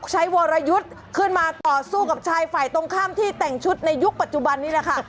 ใช้วรยุทธ์ขึ้นมาต่อสู้กับชายฝ่ายตรงข้ามที่แต่งชุดในยุคปัจจุบันนี้แหละค่ะ